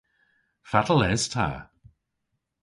Fatel es ta?